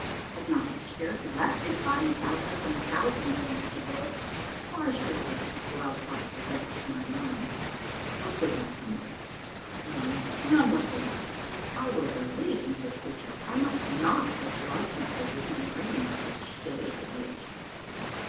Had not his spirit left his body thousands and thousands of years ago ? Why should I let such wild thoughts vex my mind? What good would come of it? None, none whatever. I was a reasonable creature, I must not give lodgment within my brain to such silly ideas.